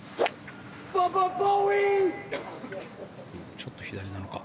ちょっと左なのか。